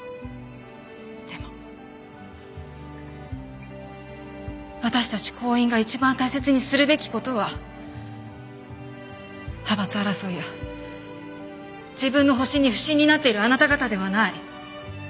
でも私たち行員が一番大切にするべき事は派閥争いや自分の保身に腐心になっているあなた方ではない。